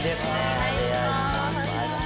お願いします。